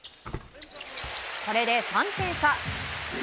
これで３点差。